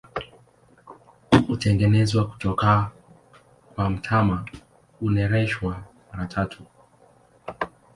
Hutengenezwa kutoka kwa mtama, hunereshwa mara tatu.